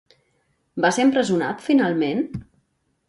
Va ser empresonat, finalment?